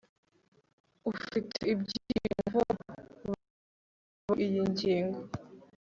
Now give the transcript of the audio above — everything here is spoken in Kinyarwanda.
ufite ibyiyumvo bavuzwe muri iyi ngingo